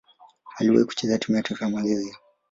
Aliwahi kucheza timu ya taifa ya Malaysia.